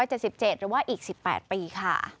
หรือว่าอีก๑๘ปีค่ะ